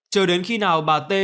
chờ đến khi nào bà t đưa hết số tiền